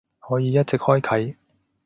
可以一直開啟